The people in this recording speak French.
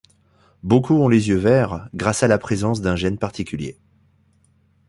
Beaucoup ont les yeux verts, grâce à la présence d'un gène particulier.